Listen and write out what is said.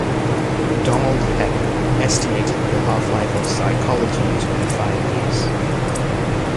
Donald Hebb estimated the half-life of psychology to be five years.